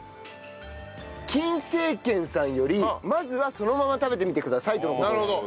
金精軒さんより「まずはそのまま食べてみてください」との事です。